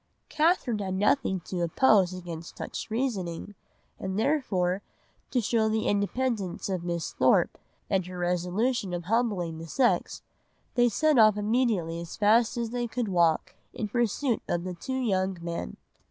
"Catherine had nothing to oppose against such reasoning, and therefore to show the independence of Miss Thorpe and her resolution of humbling the sex, they set off immediately as fast as they could walk in pursuit of the two young men."